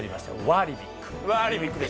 ワーリビック。